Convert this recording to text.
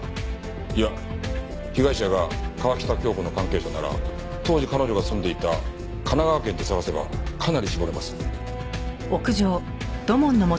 いや被害者が川喜多京子の関係者なら当時彼女が住んでいた神奈川県で探せばかなり絞れます。